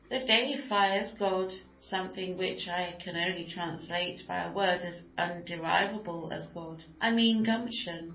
They deify as God something which I can only translate by a word as underivable as God—I mean Gumption.